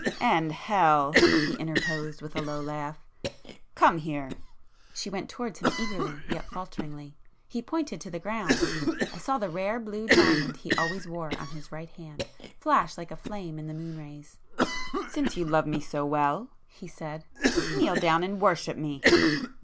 "And Hell!" he interposed, with a low laugh—"Come here!" She went towards him eagerly, yet falteringly. He pointed to the ground,—I saw the rare blue diamond he always wore on his right hand, flash like a flame in the moonrays. "Since you love me so well,"—he said—"Kneel down and worship me!"